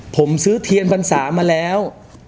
ผมซื้อเทียนพรรษามาแล้ว